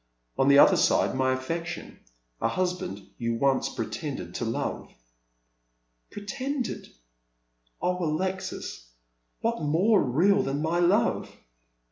On the other side my affection, a husband you once pretended to love "" Pretended ! Oh, Alexis, what more real than my love